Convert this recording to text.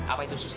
apa itu susah